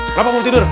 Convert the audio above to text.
kenapa belum tidur